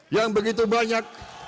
yang begitu banyak